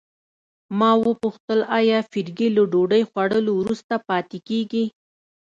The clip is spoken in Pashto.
ما وپوښتل آیا فرګي له ډوډۍ خوړلو وروسته پاتې کیږي.